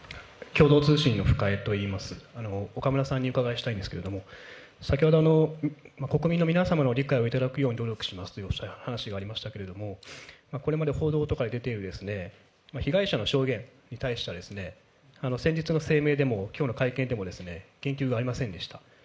岡村さんにお伺いしたいんですけれども、先ほど国民の皆様の理解を頂くように努力しますという話がありましたけども、これまで報道とかに出ている被害者の証言に対しては、先日の声明でも、きょうの会見でもですね、言及がありませんでした。